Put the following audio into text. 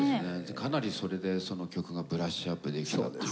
かなりそれでその曲がブラッシュアップできたっていう。